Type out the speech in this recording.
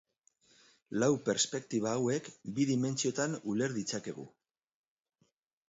Lau perspektiba hauek bi dimentsioetan uler ditzakegu.